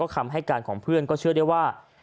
คำให้การของเพื่อนก็เชื่อได้ว่า